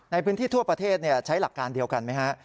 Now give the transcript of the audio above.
ในพื้นที่ทั่วประเทศใช้หลักการเดียวกันไหมฮะ